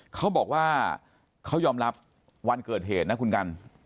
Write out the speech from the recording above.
เขาบอกว่าเขายอมรับวันเกิดเหตุนะคุณกัน